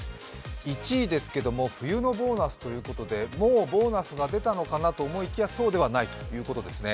１位ですけれども冬のボーナスということでもうボーナスが出たのかなと思いきや、そうではないということですね。